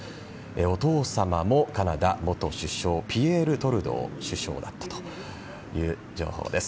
お父様もカナダ元首相ピエール・トルドー首相だったという情報です。